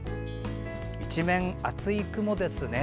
一面、厚い雲ですね。